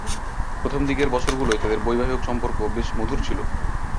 প্রথমদিকের বছরগুলোয় তাদের বৈবাহিক সম্পর্ক বেশ মধুর ছিল।